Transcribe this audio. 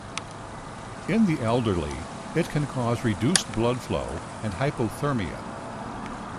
In the elderly, it can cause reduced blood flow and hypothermia.